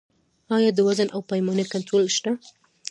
آیا د وزن او پیمانې کنټرول شته؟